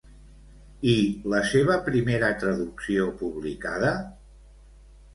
I la seva primera traducció publicada?